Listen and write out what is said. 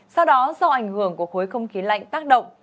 sau đó do ảnh hưởng của khối không khí lạnh tác động